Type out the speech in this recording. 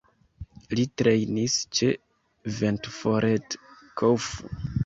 Li trejnis ĉe Ventforet Kofu.